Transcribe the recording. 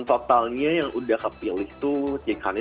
totalnya yang udah kepilih itu tiga kali